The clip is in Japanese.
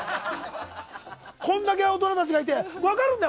こんだけ大人たちがいて分かるんだよ！